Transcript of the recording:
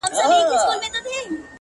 نوره گډا مه كوه مړ به مي كړې!!